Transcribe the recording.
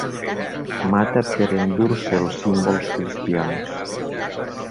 Mata per endur-se els símbols cristians.